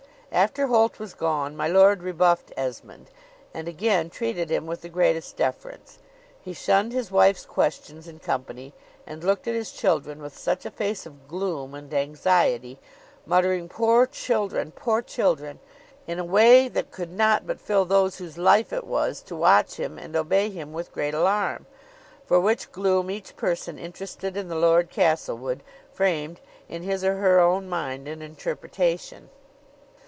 After Holt was gone, my lord rebuffed Esmond, and again treated him with the greatest deference; he shunned his wife's questions and company, and looked at his children with such a face of gloom and anxiety, muttering, "Poor children poor children!" in a way that could not but fill those whose life it was to watch him and obey him with great alarm. For which gloom, each person interested in the Lord Castlewood, framed in his or her own mind an interpretation.